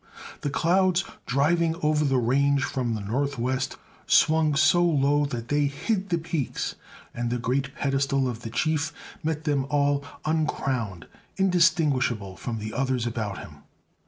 The clouds, driving over the range from the northwest, swung so low that they hid the peaks, and the great pedestal of the Chief met them all uncrowned, indistinguishable from the others about him.